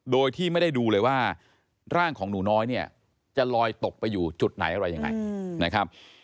โดยที่ไม่ได้ดูเลยว่าร่างของหนูน้อยเนี่ยจะลอยตกไปอยู่จุดไหนอะไรยังไงนะครับ